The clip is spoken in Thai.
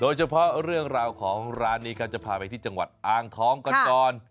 โดยเฉพาะเรื่องราวของร้านนี้นี่กันจะพาไปที่จังหวัดอ้างท้องกันนก่อน